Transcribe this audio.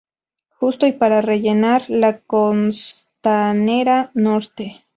Justo y para rellenar la Costanera Norte.